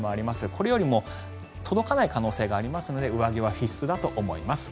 これよりも届かない可能性がありますので上着は必須だと思います。